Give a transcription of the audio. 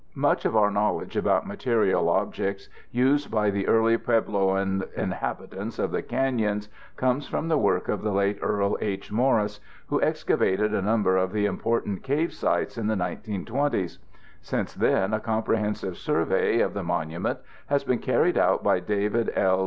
Much of our knowledge about material objects used by the early Puebloan inhabitants of the canyons comes from the work of the late Earl H. Morris, who excavated a number of the important cave sites in the 1920's. Since then a comprehensive survey of the monument has been carried out by David L.